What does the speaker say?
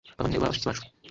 abavandimwe na bashiki bacu